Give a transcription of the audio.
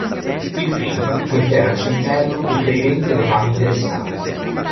Il film contiene al suo interno riferimenti e legami interessanti.